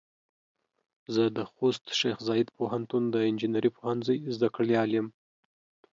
زه د خوست شیخ زايد پوهنتون د انجنیري پوهنځۍ زده کړيال يم.